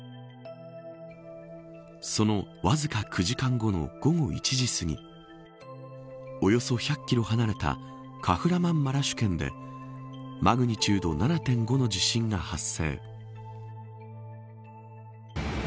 そのわずか９時間後の午後１時すぎおよそ１００キロ離れたカフラマンマラシュ県でマグニチュード７．５の地震が発生。